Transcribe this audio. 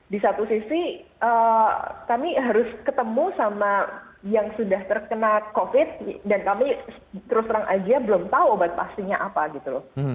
di satu sisi kami harus ketemu sama yang sudah terkena covid dan kami terus terang aja belum tahu obat pastinya apa gitu loh